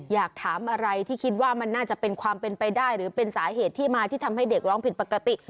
อยากถามอะไรที่คิดว่ามันน่าจะเป็นความเป็นไปได้หรือเป็นสาเหตุที่มาที่ทำให้เด็กร้องผิดปกติ